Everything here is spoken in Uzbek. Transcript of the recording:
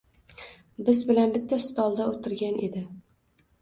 Biz bilan bitta stolda oʻtirgan edi.